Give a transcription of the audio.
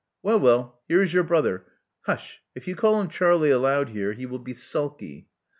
'* *'Well, well, here is your brother. Hush! — if you call him Charlie aloud here, he will be sulky.